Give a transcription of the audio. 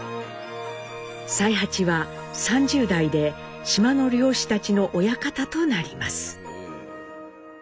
才八は３０代で島の漁師たちの親方となります。